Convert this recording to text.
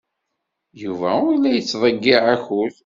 Yuba ur la yettḍeyyiɛ akud.